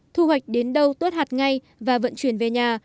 thu hoạch đến đâu tốt hạt ngay và vận chuyển về nhà